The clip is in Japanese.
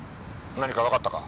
何かわかったか？